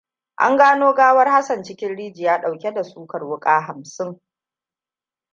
An gano gawar Hassan cikin rijiya ɗauke da sukar wuƙa hamsin.